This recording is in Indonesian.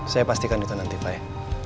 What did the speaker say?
saya pastikan itu nanti pak ya